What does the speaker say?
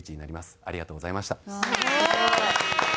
すごい！ありがとうございました。